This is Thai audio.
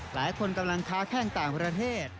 หลายคนกำลังค้าแข้งต่างประเทศ